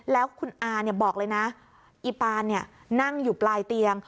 แล้วคุณอาบอกเลยนะอีปานนั่งอยู่ปลายเตียง